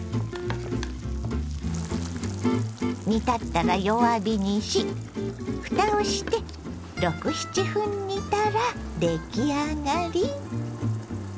煮立ったら弱火にしふたをして６７分煮たら出来上がり。